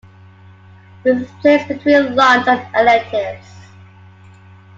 This is placed between lunch and electives.